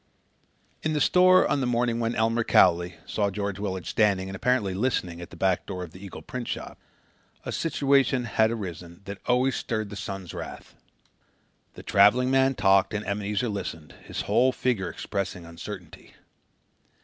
In the store on the morning when Elmer Cowley saw George Willard standing and apparently listening at the back door of the Eagle printshop, a situation had arisen that always stirred the son's wrath. The traveling man talked and Ebenezer listened, his whole figure expressing uncertainty.